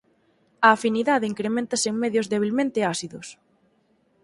A afinidade increméntase en medios debilmente ácidos.